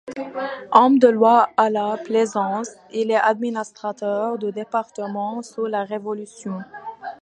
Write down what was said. Homme de loi à Plaisance, il est administrateur du département sous la Révolution.